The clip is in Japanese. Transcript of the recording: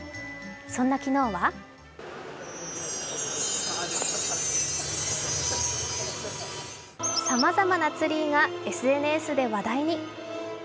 そんな昨日はさまざまなツリーがＳＮＳで話題に。